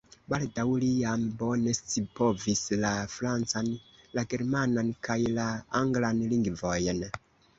Baldaŭ li jam bone scipovis la francan, la germanan kaj la anglan lingvojn.